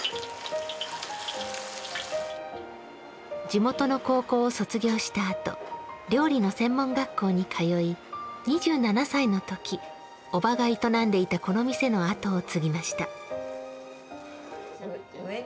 地元の高校を卒業したあと料理の専門学校に通い２７歳のとき叔母が営んでいたこの店の後を継ぎました。